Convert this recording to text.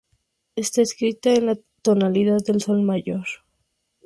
Está escrita en la tonalidad de sol mayor.